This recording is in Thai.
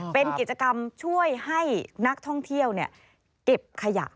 เป็นกิจกรรมช่วยให้นักท่องเที่ยวเก็บขยะ